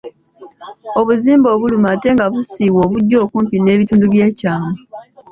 Obuzimba obuluma ate nga busiiwa obujja okumpi n’ebitundu byekyama.